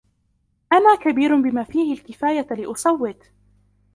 أنا كبير بما فيه الكفاية لأصوت.